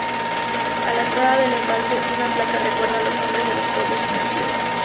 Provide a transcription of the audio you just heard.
A la entrada del embalse, una placa recuerda los nombres de los pueblos sumergidos.